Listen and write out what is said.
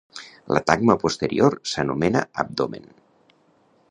La tagma posterior s'anomena abdomen.